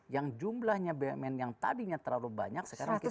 yang jumlahnya bnbp yang tadinya terlalu banyak